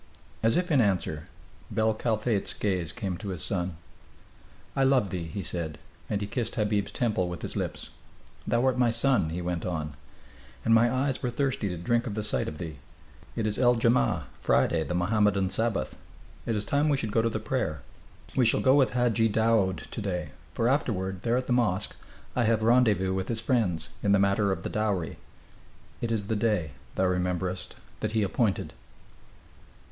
As if in answer, bel Kalfate's gaze came to his son. "I love thee," he said, and he kissed Habib's temple with his lips. "Thou art my son," he went on, "and my eyes were thirsty to drink of the sight of thee. It is el jammaa." [Friday, the Mohammedan Sabbath.] "It is time we should go to the prayer. We shall go with Hadji Daoud to day, for afterward, there at the mosque, I have rendezvous with his friends, in the matter of the dowry. It is the day, thou rememberest, that he appointed."